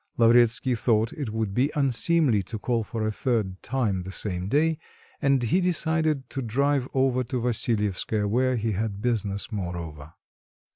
Lavretsky thought it would be unseemly to call for a third time the same day, and he decided to drive over to Vassilyevskoe, where he had business moreover.